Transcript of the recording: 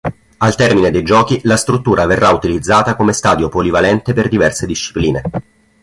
Al termine dei giochi, la struttura verrà utilizzata come stadio polivalente per diverse discipline.